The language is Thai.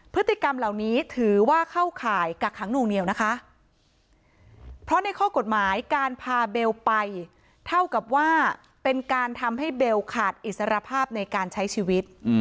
พฤติกรรมเหล่านี้ถือว่าเข้าข่ายกักขังหน่วงเหนียวนะคะเพราะในข้อกฎหมายการพาเบลไปเท่ากับว่าเป็นการทำให้เบลขาดอิสรภาพในการใช้ชีวิต